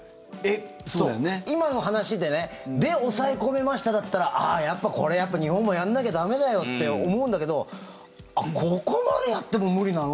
今の話でねで、抑え込めましただったらああ、やっぱこれ日本もやんなきゃ駄目だよって思うんだけどここまでやっても無理なの？